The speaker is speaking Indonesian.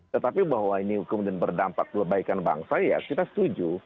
tetapi bahwa ini kemudian berdampak kebaikan bangsa ya kita setuju